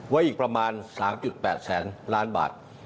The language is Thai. อีกประมาณ๓๘แสนล้านบาท